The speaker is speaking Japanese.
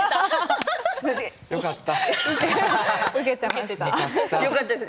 よかった。